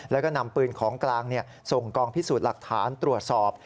แล้วก็นำปืนของกลางส่งกองพิสูจน์หลักฐานตรวจสอบ